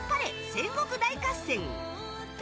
戦国大合戦」。